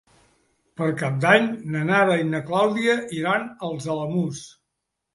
Per Cap d'Any na Nara i na Clàudia iran als Alamús.